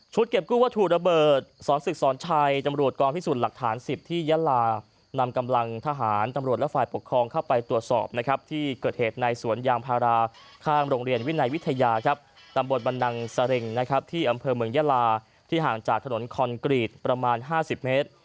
เก็บกู้วัตถุระเบิดสอนศึกสอนชัยตำรวจกองพิสูจน์หลักฐาน๑๐ที่ยาลานำกำลังทหารตำรวจและฝ่ายปกครองเข้าไปตรวจสอบนะครับที่เกิดเหตุในสวนยางพาราข้างโรงเรียนวินัยวิทยาครับตำบลบันนังเสร็งนะครับที่อำเภอเมืองยาลาที่ห่างจากถนนคอนกรีตประมาณ๕๐เมตร